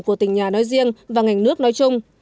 của tỉnh nhà nói riêng và ngành nước nói chung